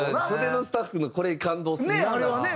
袖のスタッフのこれ感動するな。